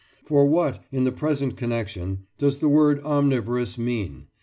For what, in the present connection, does the word "omnivorous" mean?